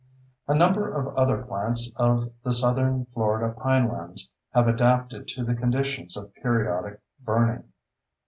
A number of other plants of the south Florida pinelands have adapted to the conditions of periodic burning.